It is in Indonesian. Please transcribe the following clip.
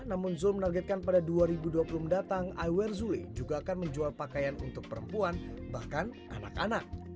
namun zul menargetkan pada dua ribu dua puluh mendatang iwer zule juga akan menjual pakaian untuk perempuan bahkan anak anak